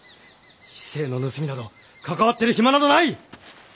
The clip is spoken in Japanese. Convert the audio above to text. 市井の盗みなど関わってる暇などない！